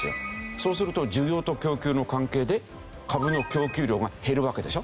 そうすると需要と供給の関係で株の供給量が減るわけでしょ。